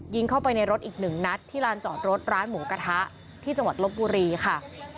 เข้าไปในรถอีกหนึ่งนัดที่ลานจอดรถร้านหมูกระทะที่จังหวัดลบบุรีค่ะ